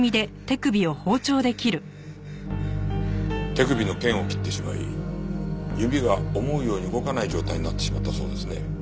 手首の腱を切ってしまい指が思うように動かない状態になってしまったそうですね。